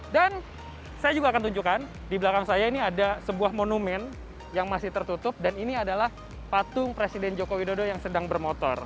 dan saya juga akan tunjukkan di belakang saya ini ada sebuah monumen yang masih tertutup dan ini adalah patung presiden joko widodo yang sedang bermotor